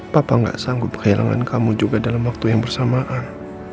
papa gak sanggup kehilangan kamu juga dalam waktu yang bersamaan